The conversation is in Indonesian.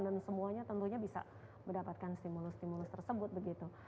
dan semuanya tentunya bisa mendapatkan stimulus stimulus tersebut begitu